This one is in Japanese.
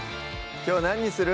きょう何にする？